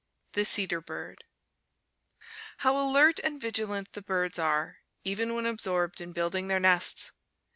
THE CEDAR BIRD How alert and vigilant the birds are, even when absorbed in building their nests!